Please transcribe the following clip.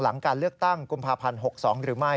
หลังการเลือกตั้งกุมภาพันธ์๖๒หรือไม่